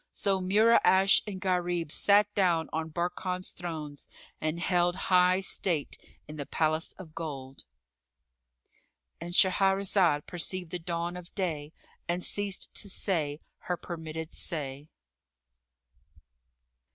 So Mura'ash and Gharib sat down on Barkan's thrones and held high state in the Palace of Gold.— And Shahrazad perceived the dawn of day and ceased to say her permitted say.